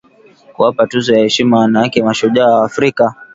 kuwapa tuzo ya heshima wanawake mashujaa wa Afrika